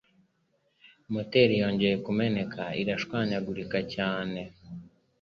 Moteri yongeye kumeneka irashwanya gurika cyane.